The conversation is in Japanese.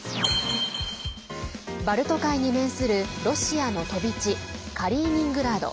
バルト海に面するロシアの飛び地カリーニングラード。